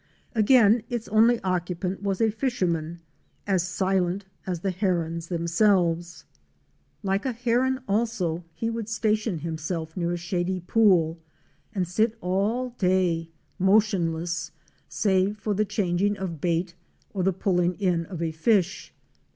Again its only occupant was a fisherman, as silent as the Herons themselves. Like a Heron 82 OUR SEARCH FOR A WILDERNESS. also he would station himself near a shady pool, and sit all day, motionless save for the changing of bait or the pulling in of a fish.